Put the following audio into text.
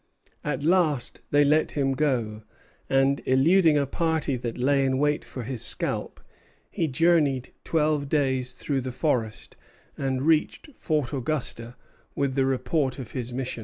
'" At last they let him go; and, eluding a party that lay in wait for his scalp, he journeyed twelve days through the forest, and reached Fort Augusta with the report of his mission.